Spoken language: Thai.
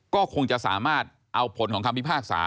ก็คงจะสามารถเอาผลของคำพิพากษา